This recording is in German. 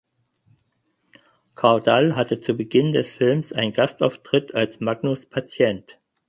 Karl Dall hat zu Beginn des Films einen Gastauftritt als Magnus’ Patient.